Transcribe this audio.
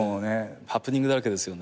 ハプニングだらけですよね。